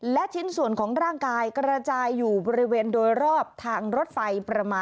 และชิ้นส่วนของร่างกายกระจายอยู่บริเวณโดยรอบทางรถไฟประมาณ